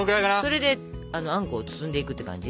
それであんこを包んでいくって感じ。